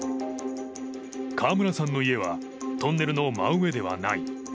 河村さんの家はトンネルの真上ではない。